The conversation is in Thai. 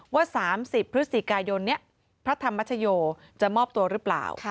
ว่า๓๐พฤศจิกายนนี้พระธรรมชโยจะมอบตัวหรือเปล่า